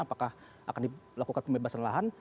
apakah akan dilakukan pembebasan lahan